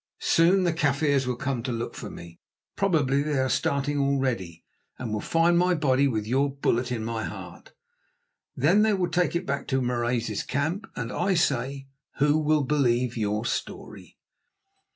Soon the Kaffirs will come to look for me, probably they are starting already, and will find my body with your bullet in my heart. Then they will take it back to Marais's camp, and I say—who will believe your story?"